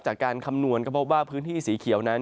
จากการคำนวณกระโปรบว่าพื้นที่สีเขียวนั้น